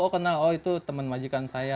oh kenal oh itu teman majikan saya